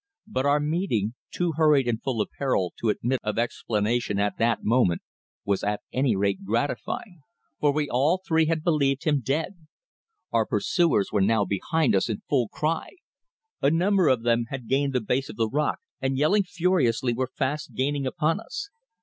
But our meeting, too hurried and full of peril to admit of explanation at that moment, was at any rate gratifying for we all three had believed him dead. Our pursuers were now behind us in full cry. A number of them had gained the base of the rock and, yelling furiously, were fast gaining upon us.